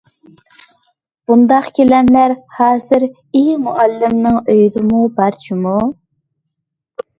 بۇنداق گىلەملەر ھازىر ئى مۇئەللىملەرنىڭ ئۆيىدىمۇ بار جۇمۇ!